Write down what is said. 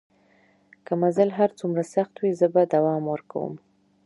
که مزل هر څومره سخت وي زه به دوام ورکوم.